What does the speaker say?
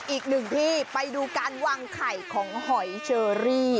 อีกหนึ่งที่ไปดูการวางไข่ของหอยเชอรี่